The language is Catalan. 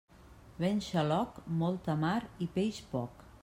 Vent xaloc, molta mar i peix poc.